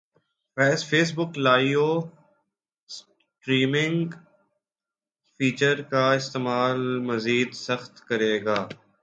face بک live streaming feature کا استعمال مزید سخت کریگا